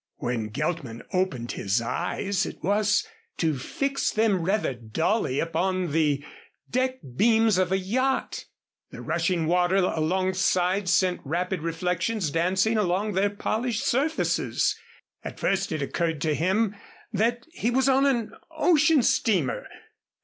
When Geltman opened his eyes it was to fix them rather dully upon the deck beams of a yacht. The rushing water alongside sent rapid reflections dancing along their polished surfaces. At first it occurred to him that he was on an ocean steamer.